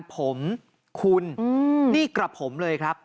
ผมคุณนี่กระผมเลยครับ